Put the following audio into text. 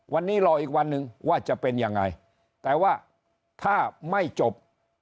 วันนี้รออีกวันหนึ่งว่าจะเป็นยังไงแต่ว่าถ้าไม่จบ